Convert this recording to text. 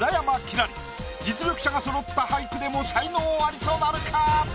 星実力者がそろった俳句でも才能アリとなるか？